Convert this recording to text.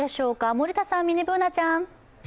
森田さん、ミニＢｏｏｎａちゃん！